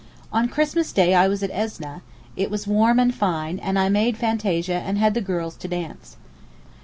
On Christmas day I was at Esneh, it was warm and fine, and I made fantasia and had the girls to dance.